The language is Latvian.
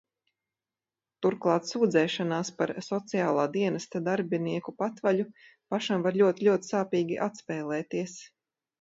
Turklāt sūdzēšanās par Sociālā dienesta darbinieku patvaļu pašam var ļoti, ļoti sāpīgi atspēlēties.